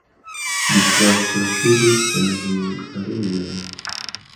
Li translokiĝis en Hungarujon.